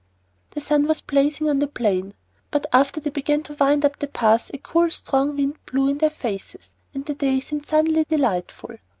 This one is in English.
The sun was blazing on the plain; but after they began to wind up the pass a cool, strong wind blew in their faces and the day seemed suddenly delightful.